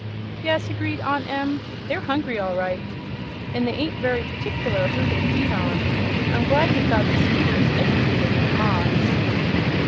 "Yes," agreed Aunt Em; "they're hungry, all right. An' they ain't very particular who they feed on. I'm glad you've got the 'skeeters educated in Oz."